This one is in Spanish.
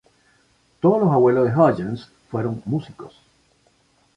Todos los abuelos de Hudgens fueron músicos.